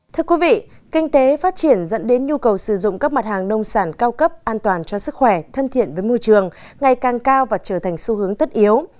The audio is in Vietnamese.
thưa quý vị kinh tế phát triển dẫn đến nhu cầu sử dụng các mặt hàng nông sản cao cấp an toàn cho sức khỏe thân thiện với môi trường ngày càng cao và trở thành xu hướng tất yếu